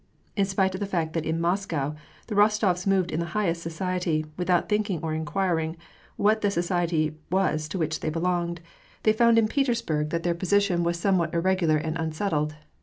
In spite of the fact that m Moscow the Rostofs moved in the highest society, without thinking or inquiring what the society was to which they belonged, they found in Petersburg 188 WAR AND PEACE. that their position was somewhat irregular and unsettled.